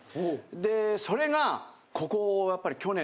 でそれがここやっぱり去年